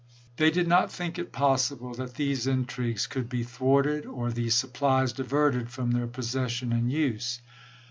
They did not think it possi ble that these intrigues could be thwarted, or these supplies diverted from their possession and use.